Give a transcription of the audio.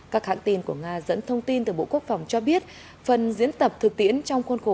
các hãng tin của nga dẫn thông tin từ bộ quốc phòng cho biết phần diễn tập thực tiễn trong khuôn khổ